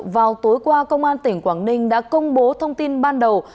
vào tối qua công an tỉnh quảng ninh đã công bố thông tin ban đầu